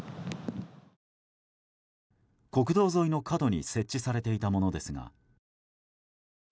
国道沿いの角に設置されていたものですが。